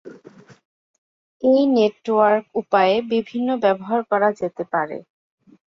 এই নেটওয়ার্ক উপায়ে বিভিন্ন ব্যবহার করা যেতে পারে।